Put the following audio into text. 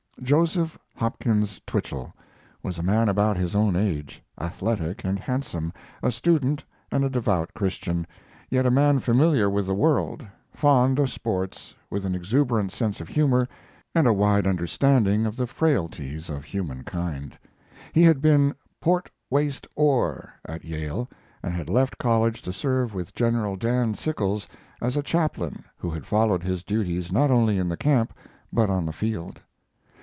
Joseph Hopkins Twichell was a man about his own age, athletic and handsome, a student and a devout Christian, yet a man familiar with the world, fond of sports, with an exuberant sense of humor and a wide understanding of the frailties of humankind. He had been "port waist oar" at Yale, and had left college to serve with General "Dan" Sickles as a chaplain who had followed his duties not only in the camp, but on the field.